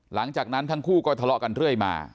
หลังจากนั้นทั้งคู่ก็ทะเลาะกันเรื่อยมา